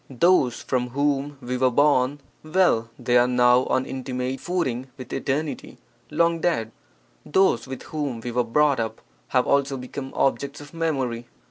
Those from whom we were born, well, they are now on intimate footing with Eternity (long dead); those with whom we were brought up have also become objects of memory.